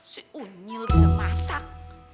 seunyil kita masak